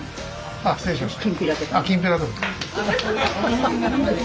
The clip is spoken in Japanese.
あっ失礼しました。